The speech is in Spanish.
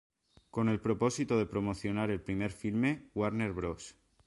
Con el propósito de promocionar el primer filme, Warner Bros.